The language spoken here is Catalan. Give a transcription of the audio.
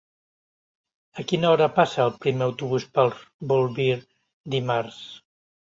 A quina hora passa el primer autobús per Bolvir dimarts?